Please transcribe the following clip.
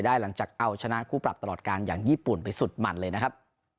หลังจากเอาชนะคู่ปรับตลอดการอย่างญี่ปุ่นไปสุดมันเลยนะครับ